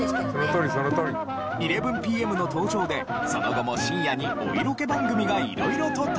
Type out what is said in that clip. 『１１ＰＭ』の登場でその後も深夜にお色気番組が色々と誕生。